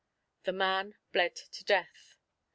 The man bled to death.